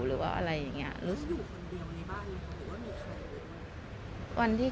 หรือว่าอะไรอย่างนี้